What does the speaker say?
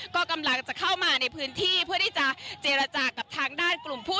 ก็กำลังจะเข้ามาในพื้นที่เพื่อที่จะเจรจากับทางด้านกลุ่มผู้